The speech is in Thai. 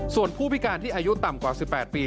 ส่วนผู้พิการที่อายุต่ำกว่า๑๘ปี